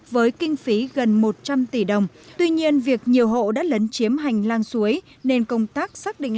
với kinh phí gần một trăm linh tỷ đồng tuy nhiên việc nhiều hộ đã lấn chiếm hành lang suối nên công tác xác định